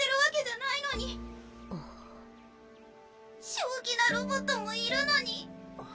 正気なロボットもいるのに。